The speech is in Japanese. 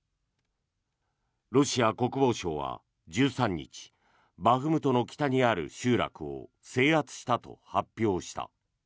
ロシア国防省は１３日バフムトの北にある集落を制圧したと発表した。